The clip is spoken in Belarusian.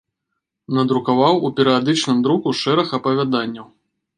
Надрукаваў у перыядычным друку шэраг апавяданняў.